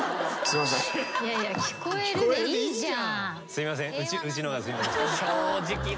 すいません。